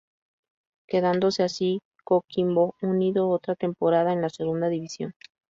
Quedándose así Coquimbo Unido otra temporada en la Segunda División.